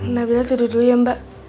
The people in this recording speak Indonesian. nabila tidur dulu ya mbak